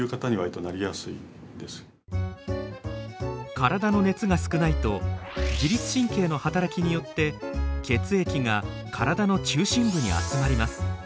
体の熱が少ないと自律神経の働きによって血液が体の中心部に集まります。